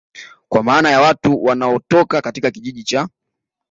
kwa maana ya Watu wanaotoka katika Kijiji cha